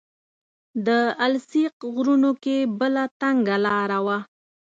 د السیق غرونو کې بله تنګه لاره وه.